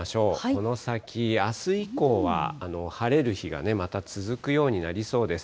この先、あす以降は、晴れる日がまた続くようになりそうです。